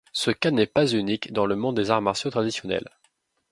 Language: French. Ce cas n'est pas unique dans le monde des arts martiaux traditionnels.